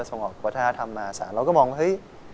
ส่งออกประธานธรรมมาสานเราก็มองว่า